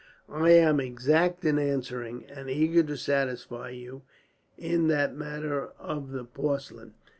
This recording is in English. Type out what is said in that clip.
"I am exact in answering, and eager to satisfy you (in that matter of the porcelain).